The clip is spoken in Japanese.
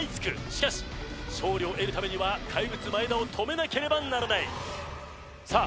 しかし勝利を得るためには怪物・真栄田を止めなければならないさあ